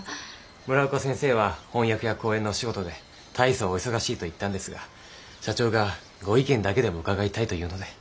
村岡先生は翻訳や講演のお仕事で大層お忙しいと言ったんですが社長がご意見だけでも伺いたいと言うので。